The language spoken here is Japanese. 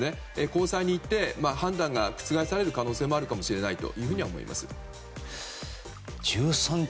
高裁にいって判断が覆される場合もあるかもしれないと思います。